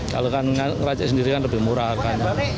kalau kan rajik sendiri kan lebih murah harganya